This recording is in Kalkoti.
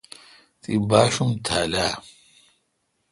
تی باشم تھال اؘ۔